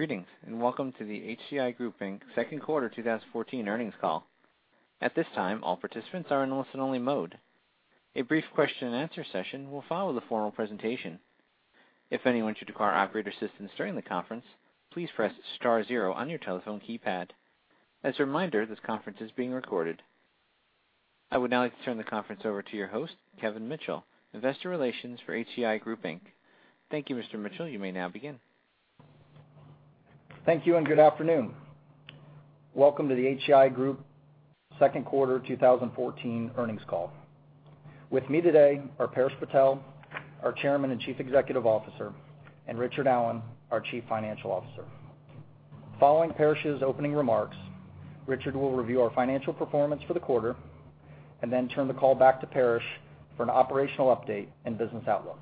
Greetings, welcome to the HCI Group Inc. second quarter 2014 earnings call. At this time, all participants are in listen-only mode. A brief question-and-answer session will follow the formal presentation. If anyone should require operator assistance during the conference, please press star zero on your telephone keypad. As a reminder, this conference is being recorded. I would now like to turn the conference over to your host, Kevin Mitchell, investor relations for HCI Group Inc. Thank you, Mr. Mitchell. You may now begin. Thank you, good afternoon. Welcome to the HCI Group second quarter 2014 earnings call. With me today are Paresh Patel, our Chairman and Chief Executive Officer, and Richard Allen, our Chief Financial Officer. Following Paresh's opening remarks, Richard will review our financial performance for the quarter turn the call back to Paresh for an operational update and business outlook.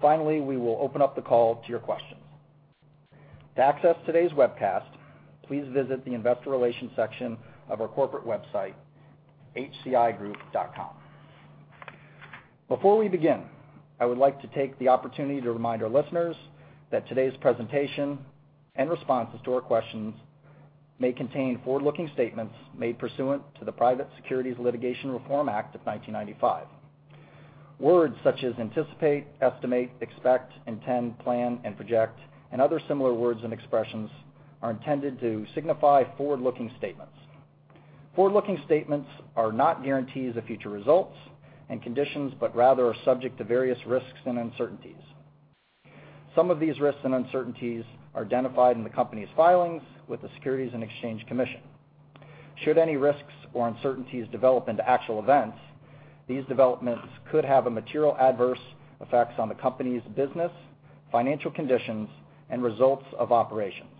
Finally, we will open up the call to your questions. To access today's webcast, please visit the investor relations section of our corporate website, hcigroup.com. Before we begin, I would like to take the opportunity to remind our listeners that today's presentation and responses to our questions may contain forward-looking statements made pursuant to the Private Securities Litigation Reform Act of 1995. Words such as anticipate, estimate, expect, intend, plan, and project, and other similar words and expressions, are intended to signify forward-looking statements. Forward-looking statements are not guarantees of future results and conditions, rather are subject to various risks and uncertainties. Some of these risks and uncertainties are identified in the company's filings with the Securities and Exchange Commission. Should any risks or uncertainties develop into actual events, these developments could have a material adverse effects on the company's business, financial conditions, and results of operations.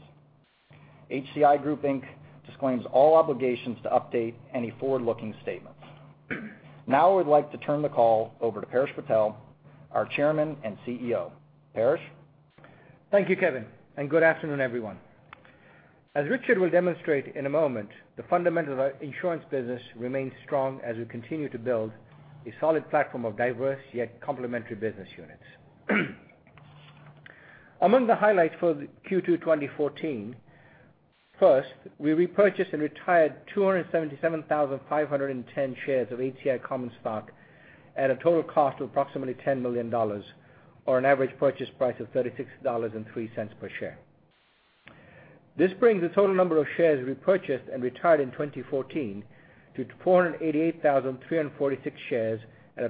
HCI Group Inc. disclaims all obligations to update any forward-looking statements. Now I would like to turn the call over to Paresh Patel, our Chairman and CEO. Paresh? Thank you, Kevin, good afternoon, everyone. As Richard will demonstrate in a moment, the fundamental insurance business remains strong as we continue to build a solid platform of diverse yet complementary business units. Among the highlights for Q2 2014, first, we repurchased and retired 277,510 shares of HCI common stock at a total cost of approximately $10 million, or an average purchase price of $36.03 per share. This brings the total number of shares repurchased and retired in 2014 to 488,346 shares at a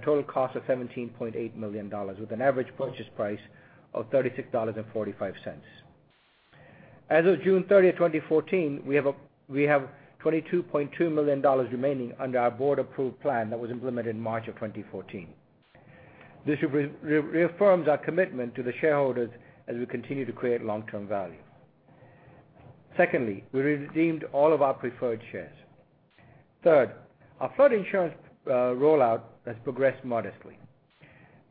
total cost of $17.8 million, with an average purchase price of $36.45. As of June 30, 2014, we have $22.2 million remaining under our board-approved plan that was implemented in March of 2014. This reaffirms our commitment to the shareholders as we continue to create long-term value. Secondly, we redeemed all of our preferred shares. Third, our flood insurance rollout has progressed modestly.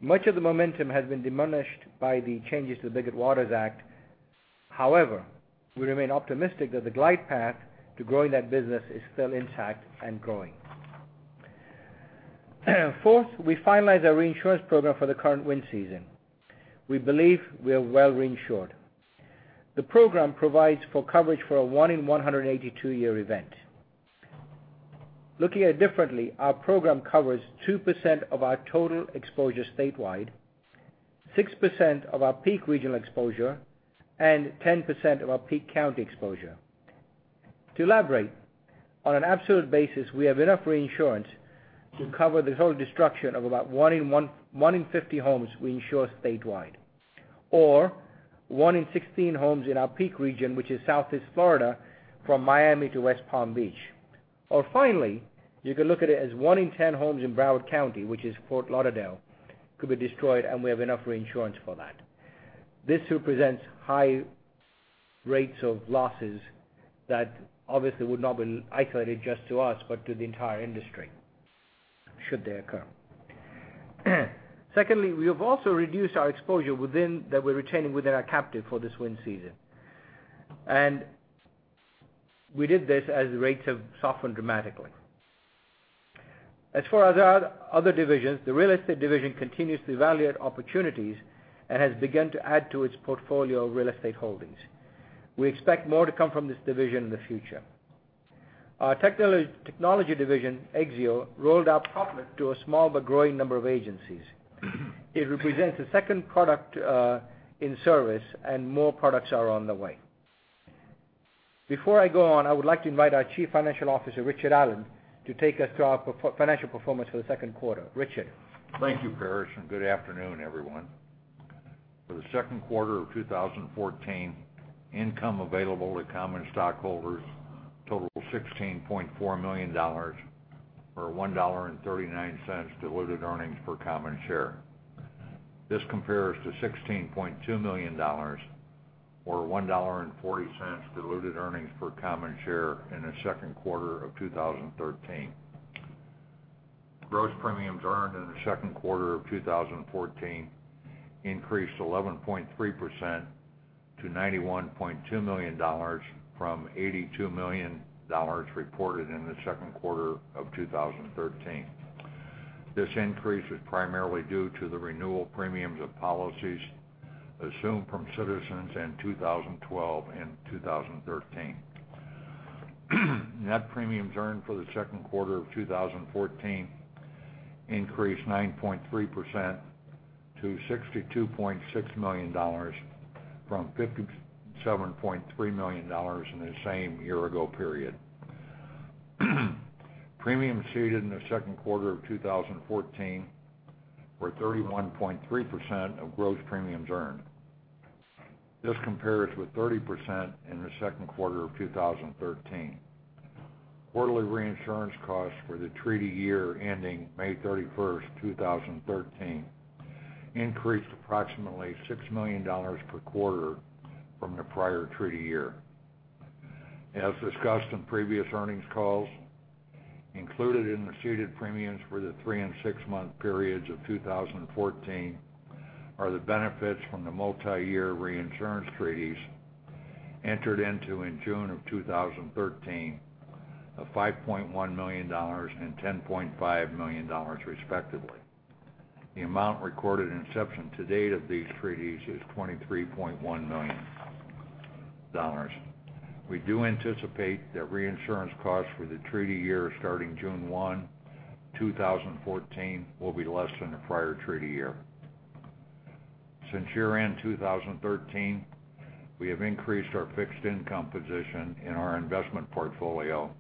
Much of the momentum has been diminished by the changes to the Biggert-Waters Act. However, we remain optimistic that the glide path to growing that business is still intact and growing. Fourth, we finalized our reinsurance program for the current wind season. We believe we are well reinsured. The program provides for coverage for a one in 182 year event. Looking at it differently, our program covers 2% of our total exposure statewide, 6% of our peak regional exposure, and 10% of our peak county exposure. To elaborate, on an absolute basis, we have enough reinsurance to cover the total destruction of about one in 50 homes we insure statewide, or one in 16 homes in our peak region, which is Southeast Florida from Miami to West Palm Beach. Finally, you could look at it as one in 10 homes in Broward County, which is Fort Lauderdale, could be destroyed, and we have enough reinsurance for that. This represents high rates of losses that obviously would not be isolated just to us, but to the entire industry should they occur. Secondly, we have also reduced our exposure that we're retaining within our captive for this wind season, and we did this as the rates have softened dramatically. As for our other divisions, the real estate division continues to evaluate opportunities and has begun to add to its portfolio of real estate holdings. We expect more to come from this division in the future. Our technology division, Exzeo, rolled out Proplet to a small but growing number of agencies. It represents the second product in service and more products are on the way. Before I go on, I would like to invite our Chief Financial Officer, Richard Allen, to take us through our financial performance for the second quarter. Richard? Thank you, Paresh. Good afternoon, everyone. For the second quarter of 2014, income available to common stockholders totaled $16.4 million, or $1.39 diluted earnings per common share. This compares to $16.2 million or $1.40 diluted earnings per common share in the second quarter of 2013. Gross premiums earned in the second quarter of 2014 increased 11.3% to $91.2 million from $82 million reported in the second quarter of 2013. This increase is primarily due to the renewal premiums of policies assumed from Citizens in 2012 and 2013. Net premiums earned for the second quarter of 2014 increased 9.3% to $62.6 million, from $57.3 million in the same year-ago period. Premiums ceded in the second quarter of 2014 were 31.3% of gross premiums earned. This compares with 30% in the second quarter of 2013. Quarterly reinsurance costs for the treaty year ending May 31st, 2013 increased approximately $6 million per quarter from the prior treaty year. As discussed on previous earnings calls, included in the ceded premiums for the three and six-month periods of 2014 are the benefits from the multiyear reinsurance treaties entered into in June of 2013 of $5.1 million and $10.5 million, respectively. The amount recorded in inception to date of these treaties is $23.1 million. We do anticipate that reinsurance costs for the treaty year starting June 1, 2014, will be less than the prior treaty year. Since year-end 2013, we have increased our fixed income position in our investment portfolio,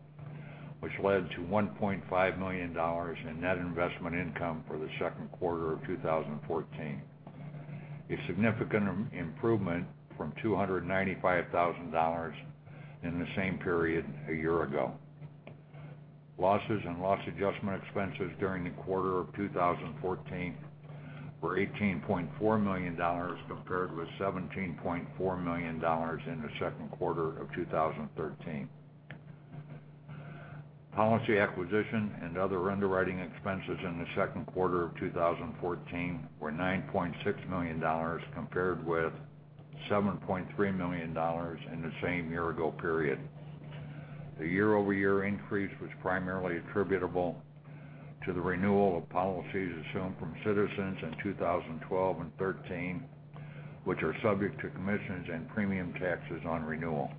which led to $1.5 million in net investment income for the second quarter of 2014, a significant improvement from $295,000 in the same period a year ago. Losses and loss adjustment expenses during the quarter of 2014 were $18.4 million, compared with $17.4 million in the second quarter of 2013. Policy acquisition and other underwriting expenses in the second quarter of 2014 were $9.6 million, compared with $7.3 million in the same year-ago period. The year-over-year increase was primarily attributable to the renewal of policies assumed from Citizens in 2012 and 2013, which are subject to commissions and premium taxes on renewal.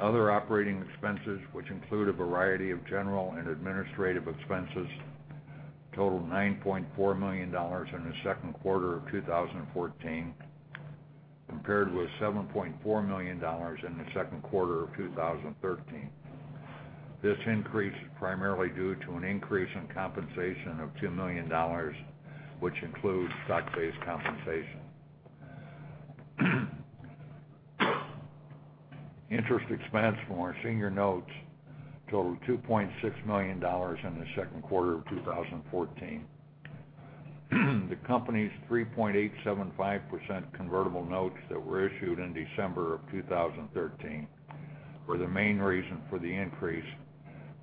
Other operating expenses, which include a variety of general and administrative expenses, totaled $9.4 million in the second quarter of 2014, compared with $7.4 million in the second quarter of 2013. This increase is primarily due to an increase in compensation of $2 million, which includes stock-based compensation. Interest expense from our senior notes totaled $2.6 million in the second quarter of 2014. The company's 3.875% convertible notes that were issued in December of 2013 were the main reason for the increase,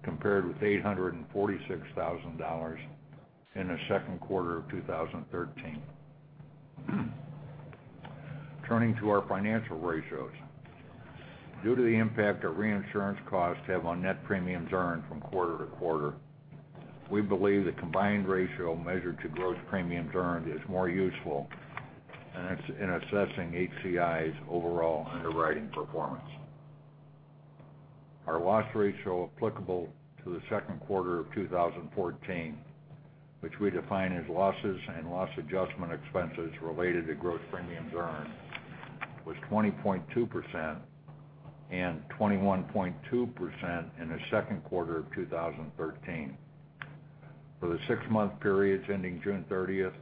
compared with $846,000 in the second quarter of 2013. Turning to our financial ratios. Due to the impact that reinsurance costs have on net premiums earned from quarter to quarter, we believe the combined ratio measured to gross premiums earned is more useful in assessing HCI's overall underwriting performance. Our loss ratio applicable to the second quarter of 2014, which we define as losses and loss adjustment expenses related to gross premiums earned, was 20.2% and 21.2% in the second quarter of 2013. For the six-month periods ending June 30th,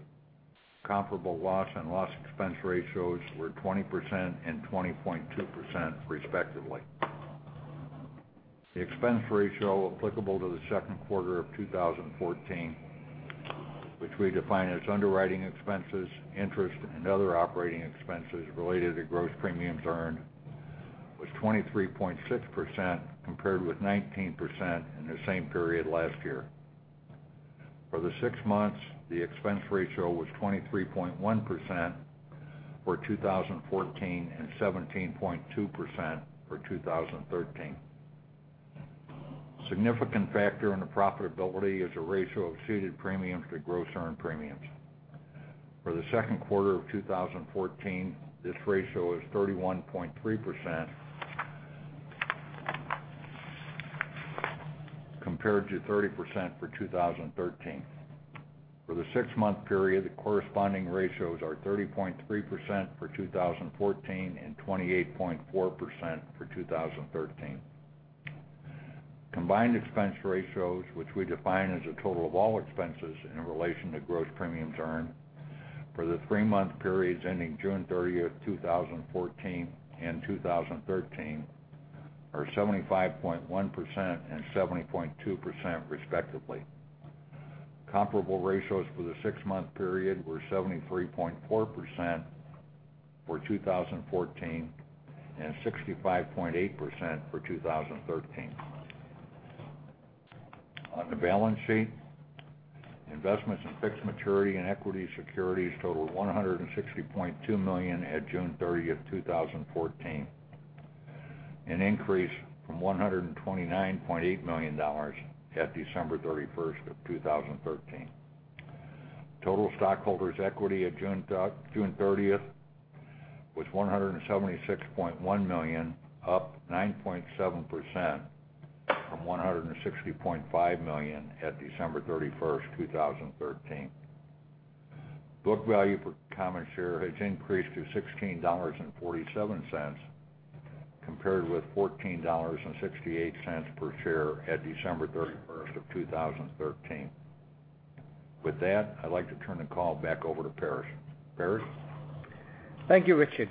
comparable loss and loss expense ratios were 20% and 20.2%, respectively. The expense ratio applicable to the second quarter of 2014, which we define as underwriting expenses, interest, and other operating expenses related to gross premiums earned, was 23.6%, compared with 19% in the same period last year. For the six months, the expense ratio was 23.1% for 2014 and 17.2% for 2013. A significant factor in the profitability is the ratio of ceded premiums to gross premiums earned. For the second quarter of 2014, this ratio is 31.3% compared to 30% for 2013. For the six-month period, the corresponding ratios are 30.3% for 2014 and 28.4% for 2013. Combined expense ratios, which we define as the total of all expenses in relation to gross premiums earned for the three-month periods ending June 30th, 2014 and 2013, are 75.1% and 70.2%, respectively. Comparable ratios for the six-month period were 73.4% for 2014 and 65.8% for 2013. On the balance sheet, investments in fixed maturity and equity securities totaled $160.2 million at June 30th, 2014. An increase from $129.8 million at December 31st of 2013. Total stockholders' equity at June 30th was $176.1 million, up 9.7% from $160.5 million at December 31st, 2013. Book value per common share has increased to $16.47, compared with $14.68 per share at December 31st of 2013. With that, I'd like to turn the call back over to Paresh. Paresh? Thank you, Richard.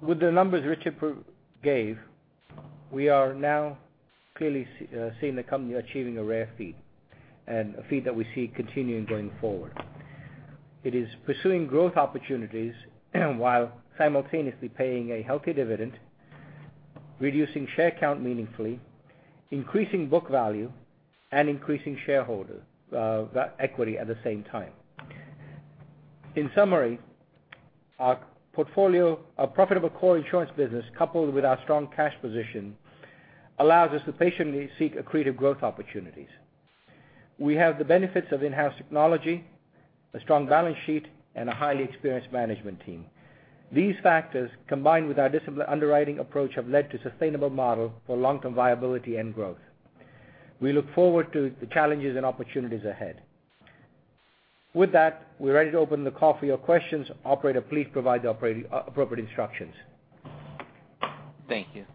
With the numbers Richard gave, we are now clearly seeing the company achieving a rare feat, and a feat that we see continuing going forward. It is pursuing growth opportunities while simultaneously paying a healthy dividend, reducing share count meaningfully, increasing book value, and increasing shareholder equity at the same time. In summary, our profitable core insurance business, coupled with our strong cash position, allows us to patiently seek accretive growth opportunities. We have the benefits of in-house technology, a strong balance sheet, and a highly experienced management team. These factors, combined with our disciplined underwriting approach, have led to a sustainable model for long-term viability and growth. We look forward to the challenges and opportunities ahead. With that, we're ready to open the call for your questions. Operator, please provide the appropriate instructions. Thank you.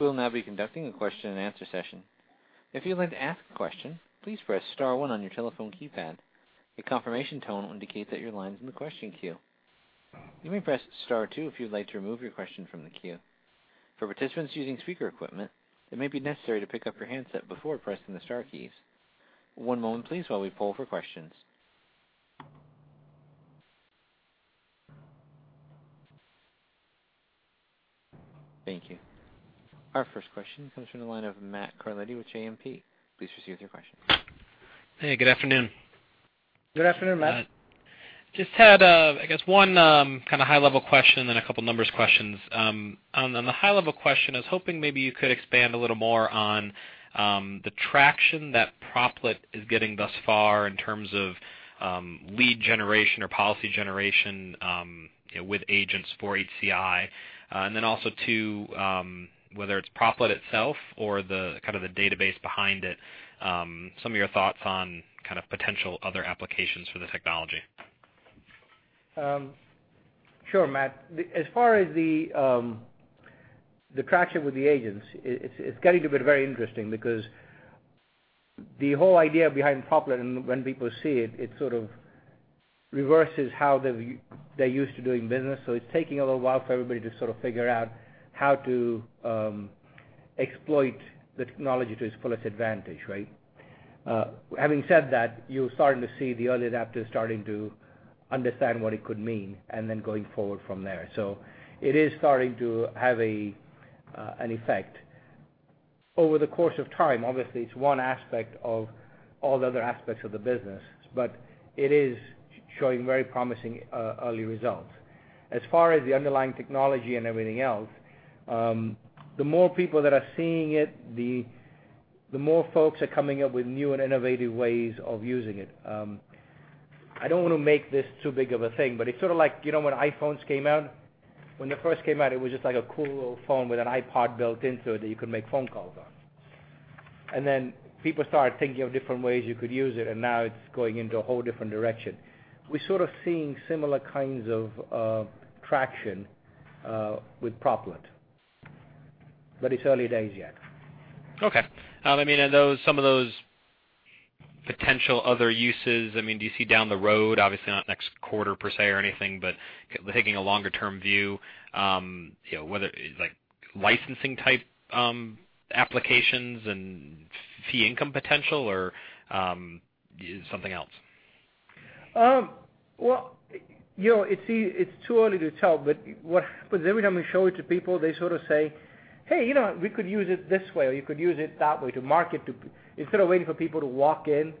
We'll now be conducting a question and answer session. If you'd like to ask a question, please press star one on your telephone keypad. A confirmation tone will indicate that your line is in the question queue. You may press star two if you'd like to remove your question from the queue. For participants using speaker equipment, it may be necessary to pick up your handset before pressing the star keys. One moment please while we poll for questions. Thank you. Our first question comes from the line of Matt Carletti with JMP. Please proceed with your question. Hey, good afternoon. Good afternoon, Matt. Just had, I guess, one kind of high level question, then a couple numbers questions. On the high level question, I was hoping maybe you could expand a little more on the traction that Proplet is getting thus far in terms of lead generation or policy generation with agents for HCI. Also too, whether it's Proplet itself or the kind of the database behind it, some of your thoughts on kind of potential other applications for the technology. Sure, Matt. As far as the traction with the agents, it's getting to be very interesting because the whole idea behind Proplet and when people see it sort of reverses how they're used to doing business. It's taking a little while for everybody to sort of figure out how to exploit the technology to its fullest advantage, right? Having said that, you're starting to see the early adopters starting to understand what it could mean, then going forward from there. It is starting to have an effect. Over the course of time, obviously, it's one aspect of all the other aspects of the business, but it is showing very promising early results. As far as the underlying technology and everything else, the more people that are seeing it, the more folks are coming up with new and innovative ways of using it. I don't want to make this too big of a thing, but it's sort of like when iPhones came out. When they first came out, it was just like a cool little phone with an iPod built into it that you could make phone calls on. Then people started thinking of different ways you could use it, now it's going into a whole different direction. We're sort of seeing similar kinds of traction with Proplet, it's early days yet. Okay. I mean, are some of those potential other uses, I mean, do you see down the road, obviously not next quarter per se or anything, but taking a longer term view, whether like licensing type applications and fee income potential or something else? Well, it's too early to tell, but what happens every time we show it to people, they sort of say, "Hey, we could use it this way," or, "We could use it that way to market to" Instead of waiting for people to walk in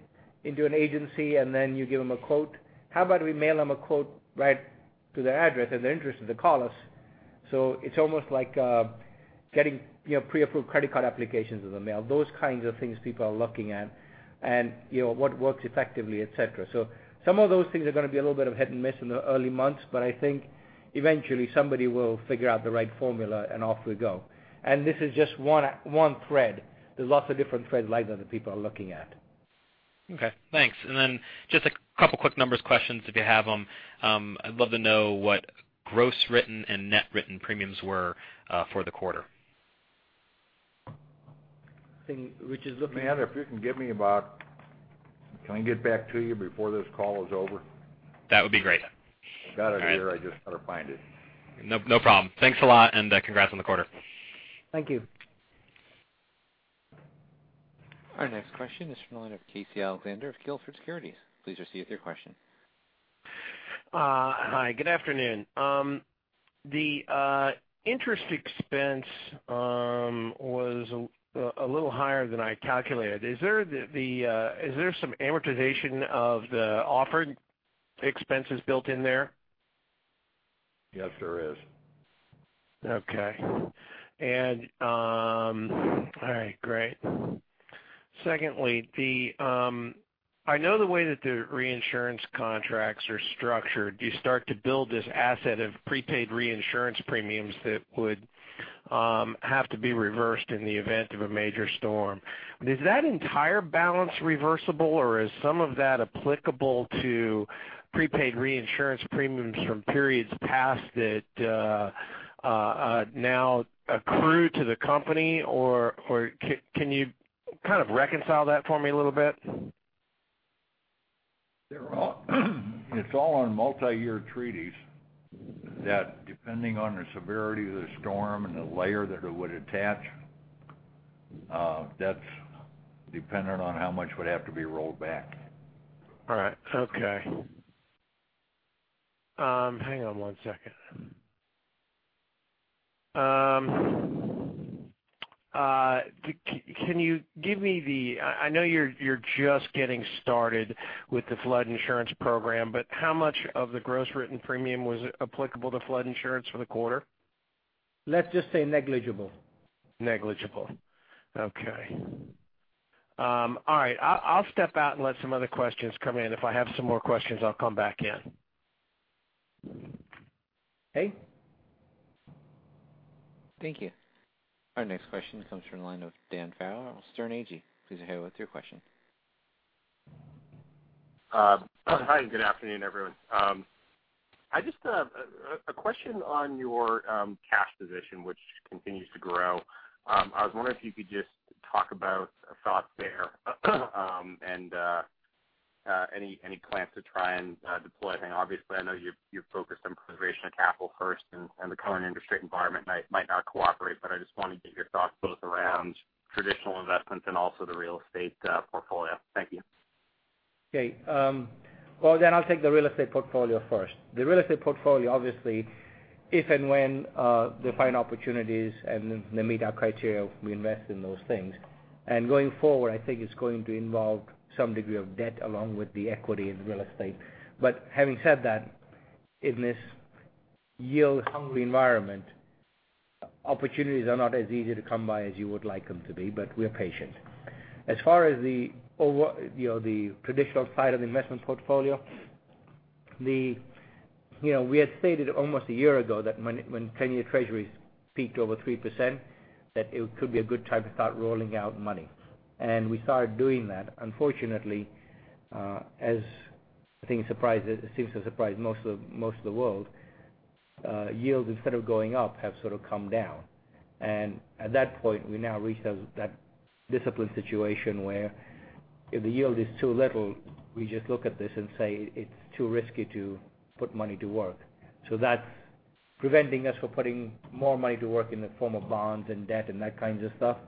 into an agency and then you give them a quote, how about we mail them a quote right to their address? If they're interested, they call us. It's almost like getting pre-approved credit card applications in the mail. Those kinds of things people are looking at and what works effectively, et cetera. Some of those things are going to be a little bit of hit and miss in the early months, but I think eventually somebody will figure out the right formula, and off we go. This is just one thread. There's lots of different threads like that people are looking at. Okay, thanks. Then just a couple quick numbers questions, if you have them. I'd love to know what gross written and net written premiums were for the quarter. I think Richard's looking at that. Matt, if you can give me Can I get back to you before this call is over? That would be great. I've got it here. All right. I've just got to find it. No problem. Thanks a lot, and congrats on the quarter. Thank you. Our next question is from the line of Casey Alexander of Gilford Securities. Please proceed with your question. Hi, good afternoon. The interest expense was a little higher than I calculated. Is there some amortization of the offered expenses built in there? Yes, there is. Okay. All right, great. Secondly, I know the way that the reinsurance contracts are structured, you start to build this asset of prepaid reinsurance premiums that would have to be reversed in the event of a major storm. Is that entire balance reversible, or is some of that applicable to prepaid reinsurance premiums from periods past that now accrue to the company? Can you kind of reconcile that for me a little bit? It's all on multiyear treaties, that depending on the severity of the storm and the layer that it would attach, that's dependent on how much would have to be rolled back. All right. Okay. Hang on one second. I know you're just getting started with the flood insurance program, how much of the gross written premium was applicable to flood insurance for the quarter? Let's just say negligible. Negligible. Okay. All right. I'll step out and let some other questions come in. If I have some more questions, I'll come back in. Okay. Thank you. Our next question comes from the line of Dan Farrell, Sterne Agee. Please go ahead with your question. Hi, good afternoon, everyone. A question on your cash position, which continues to grow. I was wondering if you could just talk about thoughts there, and any plans to try and deploy. Obviously, I know you're focused on preservation of capital first, and the current industry environment might not cooperate, but I just want to get your thoughts both around traditional investments and also the real estate portfolio. Thank you. Okay. I'll take the real estate portfolio first. The real estate portfolio, obviously, if and when they find opportunities and they meet our criteria, we invest in those things. Going forward, I think it's going to involve some degree of debt along with the equity in real estate. Having said that, in this yield hungry environment, opportunities are not as easy to come by as you would like them to be, but we are patient. As far as the traditional side of the investment portfolio, we had stated almost a year ago that when 10-year treasuries peaked over 3%, that it could be a good time to start rolling out money. We started doing that. Unfortunately, as it seems to surprise most of the world, yields instead of going up, have sort of come down. At that point, we now reached that disciplined situation where if the yield is too little, we just look at this and say it's too risky to put money to work. That's preventing us for putting more money to work in the form of bonds and debt and that kinds of stuff.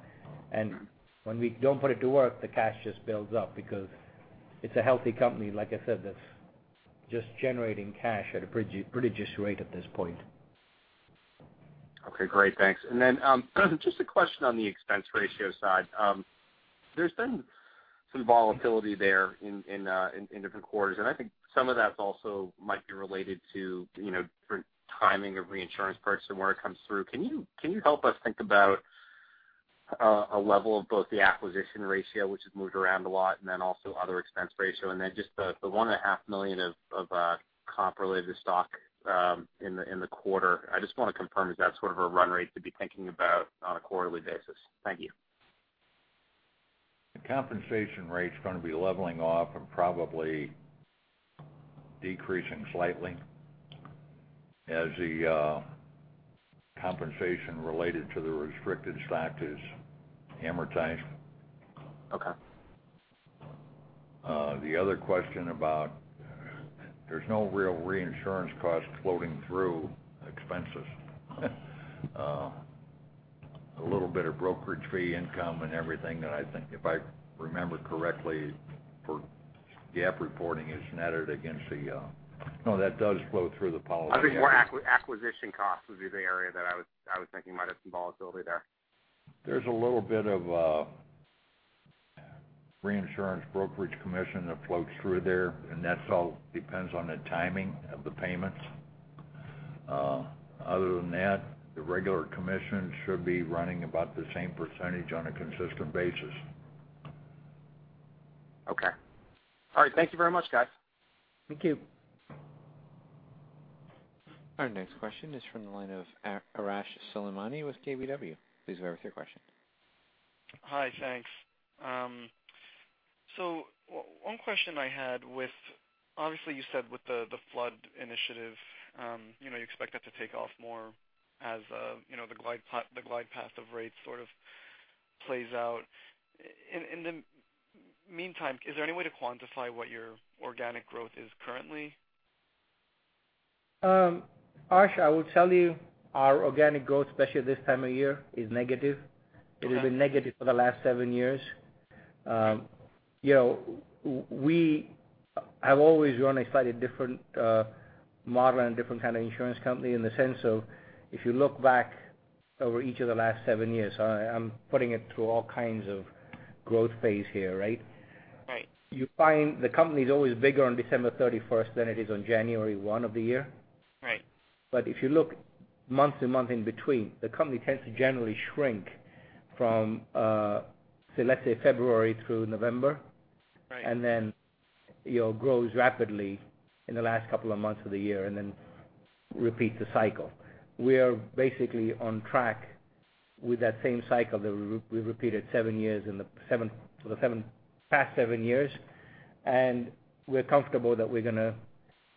When we don't put it to work, the cash just builds up because it's a healthy company, like I said, that's just generating cash at a prodigious rate at this point. Okay, great. Thanks. Just a question on the expense ratio side. There's been some volatility there in different quarters, I think some of that also might be related to different timing of reinsurance purchase and where it comes through. Can you help us think about a level of both the acquisition ratio, which has moved around a lot, and also other expense ratio, then just the $1.5 million of comp-related stock in the quarter. I just want to confirm, is that sort of a run rate to be thinking about on a quarterly basis? Thank you. The compensation rate is going to be leveling off and probably decreasing slightly as the compensation related to the restricted stock is amortized. Okay. The other question about there is no real reinsurance cost floating through expenses. A little bit of brokerage fee income and everything that I think, if I remember correctly, for GAAP reporting is netted against the no, that does flow through the policy. I think more acquisition costs would be the area that I was thinking might have some volatility there. There's a little bit of reinsurance brokerage commission that floats through there, and that all depends on the timing of the payments. Other than that, the regular commission should be running about the same % on a consistent basis. Okay. All right. Thank you very much, guys. Thank you. Our next question is from the line of Arash Soleimani with KBW. Please go ahead with your question. Hi, thanks. One question I had with, obviously you said with the flood initiative, you expect that to take off more as the glide path of rates sort of plays out. In the meantime, is there any way to quantify what your organic growth is currently? Arash, I will tell you our organic growth, especially this time of year, is negative. Okay. It has been negative for the last seven years. We have always run a slightly different model and different kind of insurance company in the sense of, if you look back over each of the last seven years. I'm putting it through all kinds of growth phase here, right? Right. You find the company's always bigger on December 31st than it is on January 1 of the year. Right. If you look month-to-month in between, the company tends to generally shrink from, let's say, February through November. Right. Then grows rapidly in the last couple of months of the year and then repeats the cycle. We are basically on track with that same cycle that we repeated for the past seven years, and we're comfortable that we're going to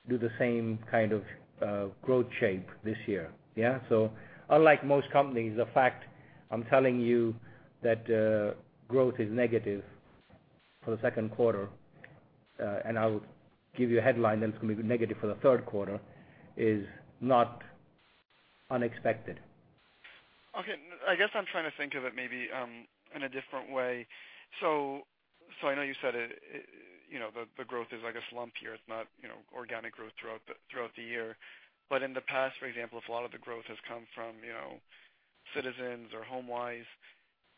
do the same kind of growth shape this year. Unlike most companies, the fact I'm telling you that growth is negative for the second quarter, and I'll give you a headline that it's going to be negative for the third quarter, is not unexpected. Okay. I guess I'm trying to think of it maybe in a different way. I know you said the growth is like a slump year. It's not organic growth throughout the year. In the past, for example, if a lot of the growth has come from Citizens or Homeowners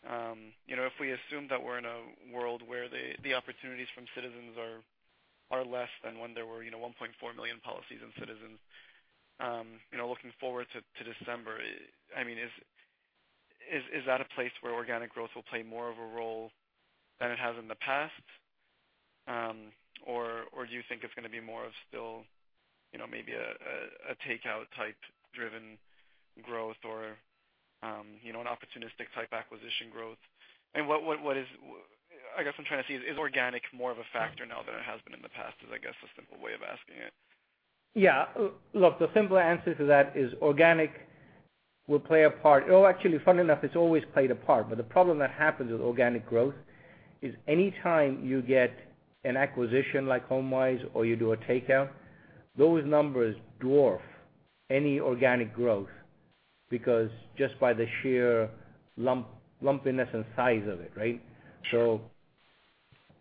Choice, if we assume that we're in a world where the opportunities from Citizens are less than when there were 1.4 million policies in Citizens, looking forward to December, is that a place where organic growth will play more of a role than it has in the past? Or do you think it's going to be more of still, maybe a takeout type driven growth or an opportunistic type acquisition growth? I guess I'm trying to see, is organic more of a factor now than it has been in the past, is I guess a simple way of asking it. Yeah. Look, the simple answer to that is organic will play a part. Actually, funny enough, it's always played a part, but the problem that happens with organic growth is any time you get an acquisition like Homeowners Choice or you do a takeout, those numbers dwarf any organic growth because just by the sheer lumpiness and size of it.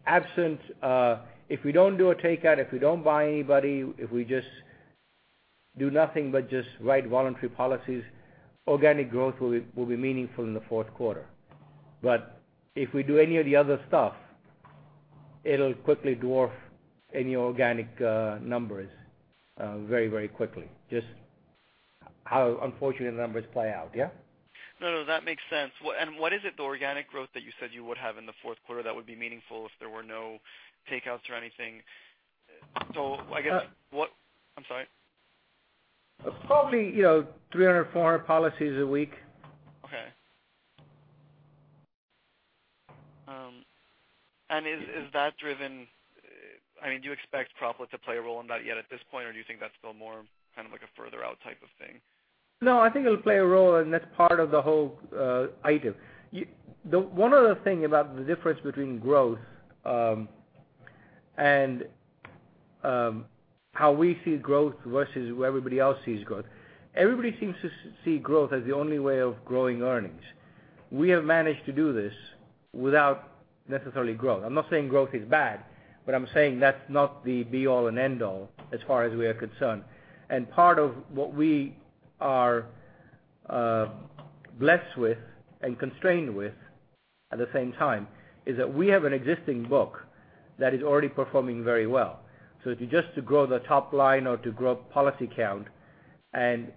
Absent, if we don't do a takeout, if we don't buy anybody, if we just do nothing but just write voluntary policies, organic growth will be meaningful in the fourth quarter. If we do any of the other stuff, it'll quickly dwarf any organic numbers very quickly. Just how unfortunately the numbers play out. Yeah? No, that makes sense. What is it, the organic growth that you said you would have in the fourth quarter that would be meaningful if there were no takeouts or anything? I'm sorry. Probably 300 or 400 policies a week. Okay. Do you expect Proplet to play a role in that yet at this point, or do you think that's still more kind of like a further out type of thing? No, I think it'll play a role, and that's part of the whole item. One other thing about the difference between growth and how we see growth versus the way everybody else sees growth. Everybody seems to see growth as the only way of growing earnings. We have managed to do this without necessarily growth. I'm not saying growth is bad, but I'm saying that's not the be all and end all as far as we are concerned. Part of what we are blessed with and constrained with at the same time is that we have an existing book that is already performing very well. If you just grow the top line or to grow policy count and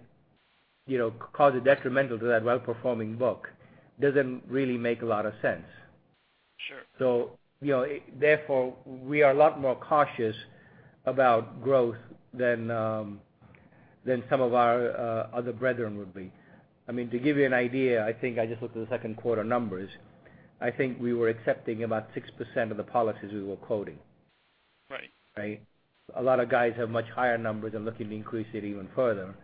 cause a detrimental to that well-performing book, doesn't really make a lot of sense. Sure. Therefore, we are a lot more cautious about growth than some of our other brethren would be. To give you an idea, I think I just looked at the second quarter numbers. I think we were accepting about 6% of the policies we were quoting. Right. A lot of guys have much higher numbers and looking to increase it even further.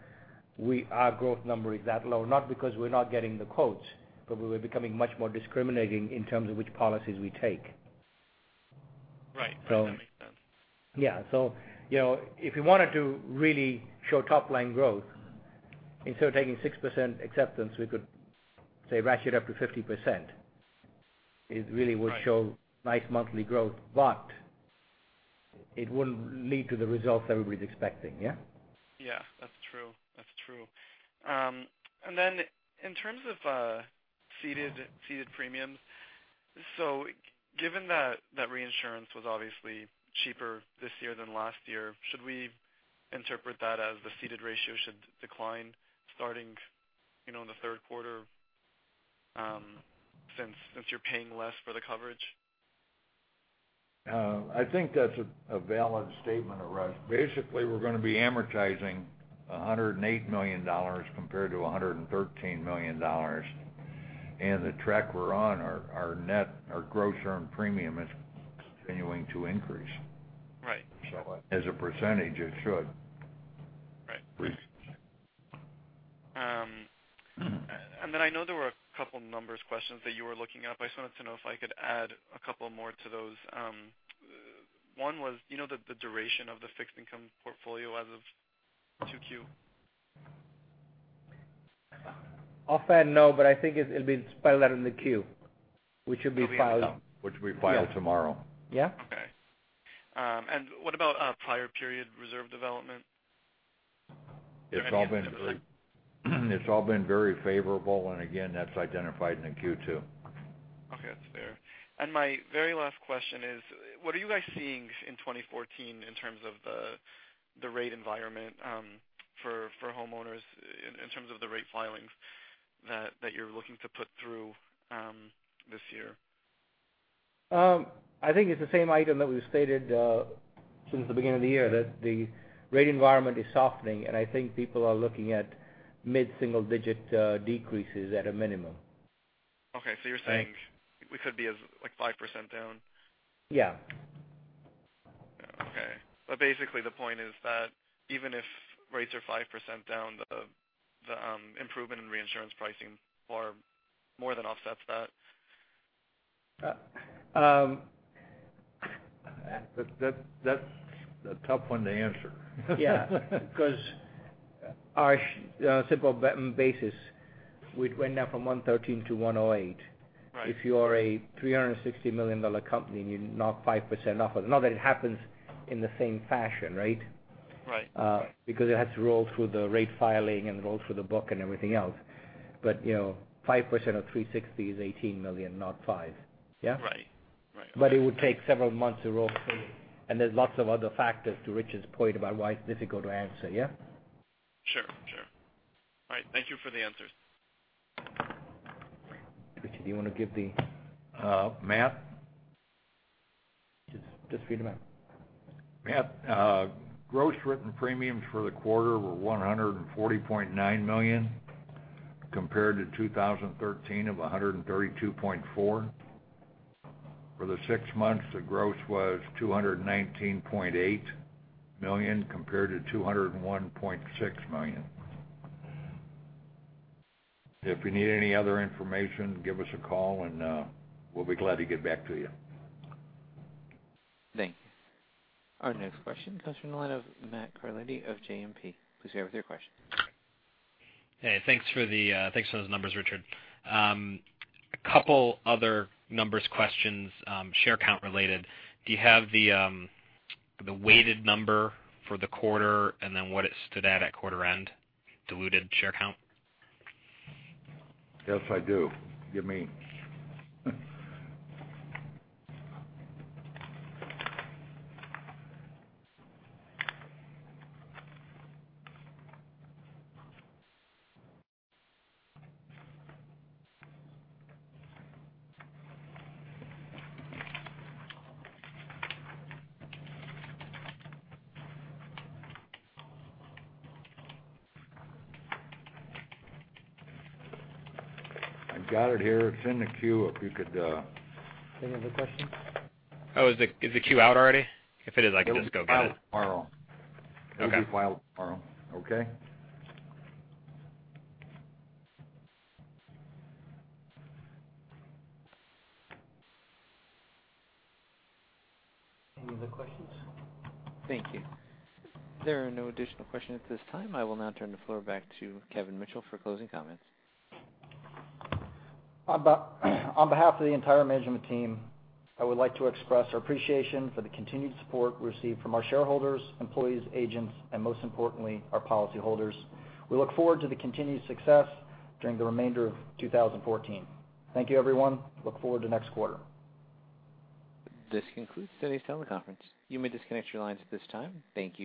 Our growth number is that low, not because we're not getting the quotes, but we're becoming much more discriminating in terms of which policies we take. Right. That makes sense. Yeah. If we wanted to really show top-line growth, instead of taking 6% acceptance, we could, say, ratchet up to 50%. It really would show nice monthly growth, but it wouldn't lead to the results everybody's expecting. Yeah? Yeah. That's true. In terms of ceded premiums. Given that reinsurance was obviously cheaper this year than last year, should we interpret that as the ceded ratio should decline starting in the third quarter since you're paying less for the coverage? I think that's a valid statement, Arash. Basically, we're going to be amortizing $108 million compared to $113 million. The track we're on, our gross earned premium is continuing to increase. Right. As a percentage, it should. Right. I know there were a couple numbers questions that you were looking up. I just wanted to know if I could add a couple more to those. One was, do you know the duration of the fixed income portfolio as of 2Q? Offhand, no, but I think it'll be spelled out in the Q, which should be filed. Which will be filed tomorrow. Yeah. Okay. What about prior period reserve development? It's all been very favorable, and again, that's identified in the Q2. Okay. That's fair. My very last question is, what are you guys seeing in 2014 in terms of the rate environment for homeowners in terms of the rate filings that you're looking to put through this year? I think it's the same item that we've stated since the beginning of the year, that the rate environment is softening, and I think people are looking at mid-single digit decreases at a minimum. Okay, you're saying we could be, like, 5% down? Yeah. Okay. Basically, the point is that even if rates are 5% down, the improvement in reinsurance pricing far more than offsets that. That's a tough one to answer. Yeah. On a simple basis, we went down from 113 to 108. Right. If you are a $360 million company and you knock 5% off, not that it happens in the same fashion, right? Right. It has to roll through the rate filing and roll through the book and everything else. 5% of 360 is $18 million, not $5 million. Yeah? Right. It would take several months to roll through. There's lots of other factors to Richard's point about why it's difficult to answer, yeah. Sure. All right. Thank you for the answers. Richard, do you want to give the? Matt? Just read them out. Matt, gross written premiums for the quarter were $140.9 million, compared to 2013 of $132.4. For the six months, the gross was $219.8 million, compared to $201.6 million. If you need any other information, give us a call, and we'll be glad to get back to you. Thank you. Our next question comes from the line of Matt Carletti of JMP. Please go ahead with your question. Hey. Thanks for those numbers, Richard. A couple other numbers questions, share count related. Do you have the weighted number for the quarter, and then what it stood at quarter end, diluted share count? Yes, I do. I've got it here. It's in the Q, if you could- Any other questions? Oh, is the queue out already? If it is, I can just go get it. It will be filed tomorrow. Okay. It will be filed tomorrow. Okay? Any other questions? Thank you. There are no additional questions at this time. I will now turn the floor back to Kevin Mitchell for closing comments. On behalf of the entire management team, I would like to express our appreciation for the continued support we receive from our shareholders, employees, agents, and most importantly, our policyholders. We look forward to the continued success during the remainder of 2014. Thank you, everyone. Look forward to next quarter. This concludes today's teleconference. You may disconnect your lines at this time. Thank you.